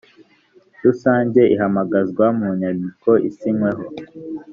rusange ihamagazwa mu nyandiko isinyweho